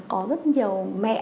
có rất nhiều mẹ